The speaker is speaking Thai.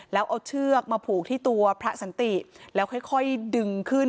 แล้วเอาเชือกมาผูกที่ตัวพระสันติแล้วค่อยดึงขึ้น